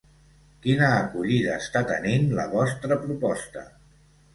Quina acollida està tenint la vostra proposta?